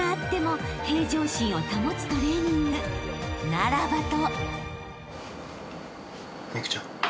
［ならばと］